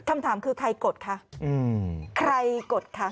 คำถามคือใครกดคะใครกดค่ะ